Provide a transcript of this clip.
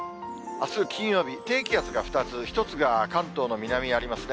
あす金曜日、低気圧が２つ、１つが関東の南にありますね。